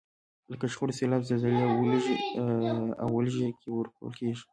لکه شخړو، سیلاب، زلزلې او ولږې کې ورکول کیږي.